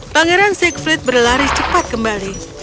pangeran siegfried berlari cepat kembali